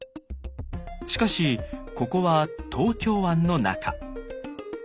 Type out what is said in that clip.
しかしここは東京湾の中。